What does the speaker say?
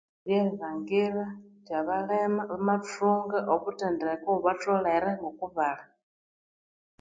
Ryerilhangira indi abalema bamathunga obuthendekwa obubatholere ngokubali